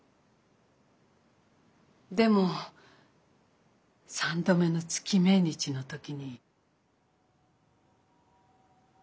でも３度目の月命日の時に。